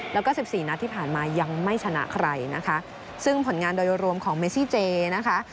แล้วก็สิบสี่นัดที่ผ่านมายังไม่ชนะใครนะคะซึ่งผลงานโดยรวมของเมซี่เจนะคะ